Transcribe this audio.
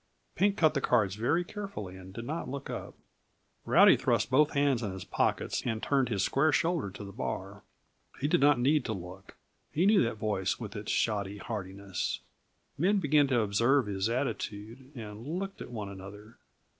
Pink cut the cards very carefully, and did not look up. Rowdy thrust both hands in his pockets and turned his square shoulder to the bar. He did not need to look he knew that voice, with its shoddy heartiness. Men began to observe his attitude, and looked at one another.